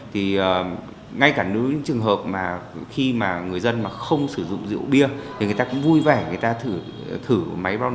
thì ngay cả những trường hợp mà chúng tôi xử lý theo chuyên đề thì cũng là người dân cũng phối hợp hơn